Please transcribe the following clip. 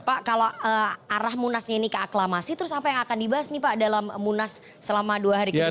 pak kalau arah munasnya ini ke aklamasi terus apa yang akan dibahas nih pak dalam munas selama dua hari ke depan